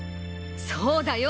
そうだよ。